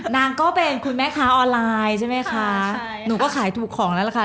นางก็เป็นคุณแม่ค้าออนไลน์ใช่ไหมคะหนูก็ขายถูกของแล้วล่ะค่ะ